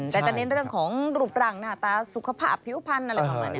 แต่จะเน้นเรื่องของรูปร่างหน้าตาสุขภาพผิวพันธุ์อะไรประมาณนี้